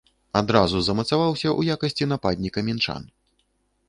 Адразу замацаваўся ў якасці нападніка мінчан.